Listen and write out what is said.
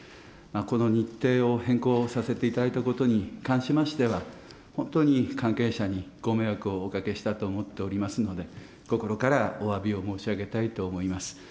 この日程を変更させていただいたことに関しましては、本当に関係者にご迷惑をおかけしたと思っておりますので、心からおわびを申し上げたいと思います。